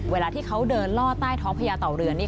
เวลาที่เขาเดินล่อใต้ท้องพญาเต่าเรือนนี่